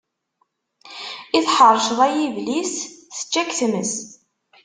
I tḥeṛceḍ ay iblis, tečča k-tmes.